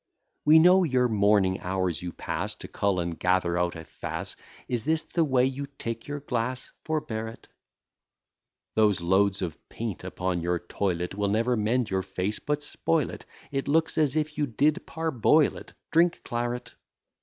We know your morning hours you pass To cull and gather out a face; Is this the way you take your glass? Forbear it: Those loads of paint upon your toilet Will never mend your face, but spoil it, It looks as if you did parboil it: Drink claret.